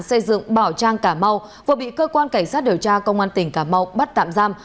xây dựng bảo trang cà mau vừa bị cơ quan cảnh sát điều tra công an tỉnh cà mau bắt tạm giam